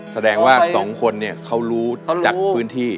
แสดงว่าสองคนเนี่ยเขารู้จักพื้นที่